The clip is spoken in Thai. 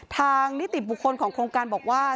นิติบุคคลของโครงการบอกว่า